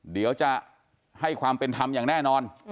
เดี๋ยวจะให้ความเป็นธรรมอย่างแน่นอน